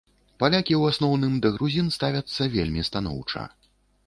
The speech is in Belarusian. Палякі ў асноўным да грузін ставяцца вельмі станоўча.